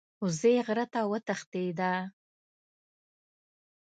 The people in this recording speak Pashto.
وزې غره ته وتښتیده.